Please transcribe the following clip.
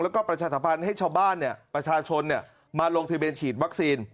แล้วก็ประชาสัมพันธ์ให้ชาวบ้านประชาชนมาลงทะเบียนฉีดวัคซีน